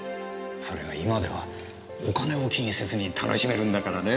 それが今ではお金を気にせずに楽しめるんだからね。